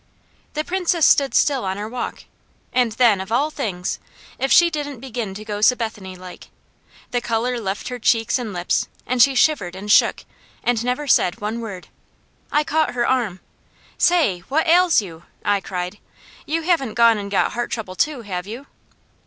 The Princess stood still on our walk, and then of all things! if she didn't begin to go Sabethany like. The colour left her cheeks and lips and she shivered and shook and never said one word. I caught her arm. "Say, what ails you?" I cried. "You haven't gone and got heart trouble too, have you?"